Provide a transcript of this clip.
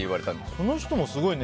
その人もすごいね。